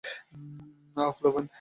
আঃ, পোলাপান।